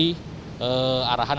arahan atau perusahaan